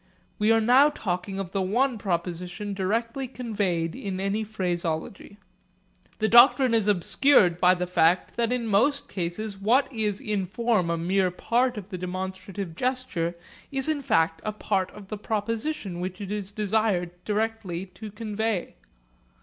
We are now talking of the one proposition directly conveyed in any phraseology. This doctrine is obscured by the fact that in most cases what is in form a mere part of the demonstrative gesture is in fact a part of the proposition which it is desired directly to convey.